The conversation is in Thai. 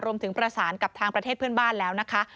รวมถึงประสานกับทางประเทศเพื่อนบ้านแล้วนะคะ